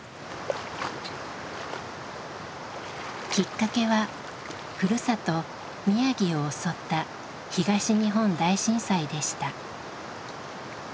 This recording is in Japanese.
きっかけはふるさと宮城を襲った東日本大震災でした。